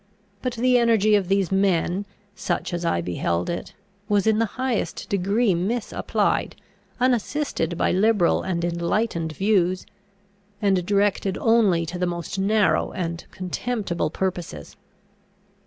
But the energy of these men, such as I beheld it, was in the highest degree misapplied, unassisted by liberal and enlightened views, and directed only to the most narrow and contemptible purposes.